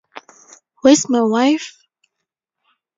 Where's my wife?